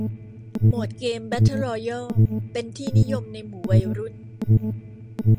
โหมดเกมแเบทเทิลรอยัลเป็นที่นิยมในหมู่วัยรุ่น